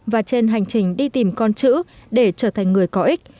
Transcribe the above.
và trên hành trình đi tìm con chữ để trở thành người có ích